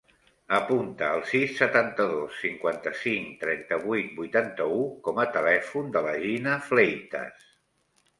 Apunta el sis, setanta-dos, cinquanta-cinc, trenta-vuit, vuitanta-u com a telèfon de la Gina Fleitas.